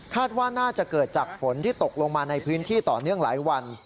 ว่าน่าจะเกิดจากฝนที่ตกลงมาในพื้นที่ต่อเนื่องหลายวัน